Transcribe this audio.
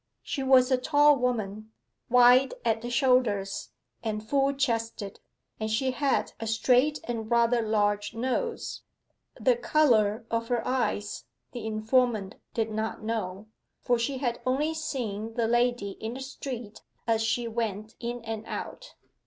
She was a tall woman, wide at the shoulders, and full chested, and she had a straight and rather large nose. The colour of her eyes the informant did not know, for she had only seen the lady in the street as she went in or out.